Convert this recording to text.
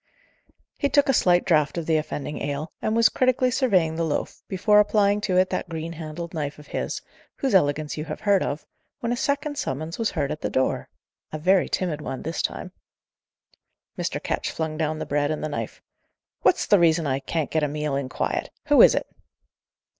He took a slight draught of the offending ale, and was critically surveying the loaf, before applying to it that green handled knife of his, whose elegance you have heard of, when a second summons was heard at the door a very timid one this time. Mr. Ketch flung down the bread and the knife. "What's the reason I can't get a meal in quiet? Who is it?"